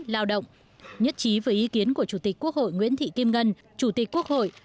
lao động nhất trí với ý kiến của chủ tịch quốc hội nguyễn thị kim ngân chủ tịch quốc hội